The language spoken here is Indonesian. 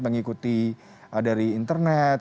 mengikuti dari internet